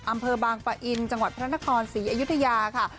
อำเภอบางปะอินจังหวัดพระนครศรีอยุธยาค่ะ